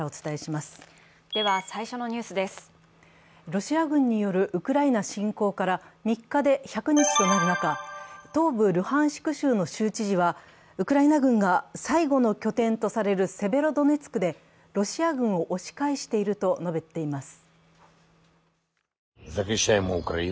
ロシア軍によるウクライナ侵攻から３日で１００日となる中、東部ルハンシク州の州知事はウクライナ軍が最後の拠点とされるセベロドネツクでロシア軍を押し返していると述べています。